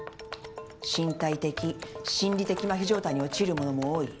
身体的心理的麻痺状態に陥る者も多い。